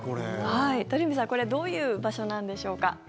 鳥海さん、これどういう場所なんでしょうか？